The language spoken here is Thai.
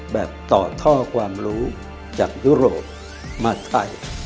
ต่อท่อความรู้จากยุโรปมาไทย